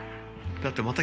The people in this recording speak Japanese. だってまた。